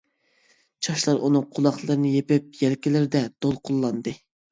چاچلار ئۇنىڭ قۇلاقلىرىنى يېپىپ يەلكىلىرىدە دولقۇنلاندى.